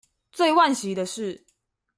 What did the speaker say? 最惋惜的是